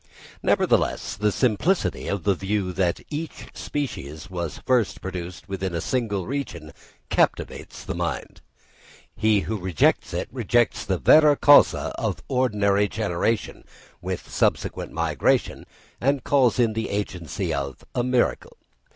Nevertheless the simplicity of the view that each species was first produced within a single region captivates the mind. He who rejects it, rejects the vera causa of ordinary generation with subsequent migration, and calls in the agency of a miracle.